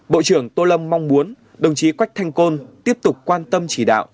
bộ trưởng tô lâm mong muốn đồng chí quách thanh côn tiếp tục quan tâm chỉ đạo